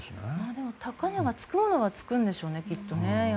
でも、高値がつくのはつくんでしょうね。